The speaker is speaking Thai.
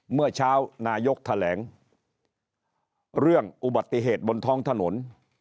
เมื่อเช้านายกแถลงเรื่องอุบัติเหตุบนท้องถนน